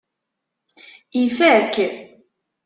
Ifak.